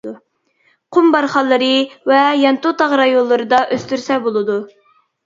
قۇم بارخانلىرى ۋە يانتۇ تاغ رايونلىرىدا ئۆستۈرسە بولىدۇ.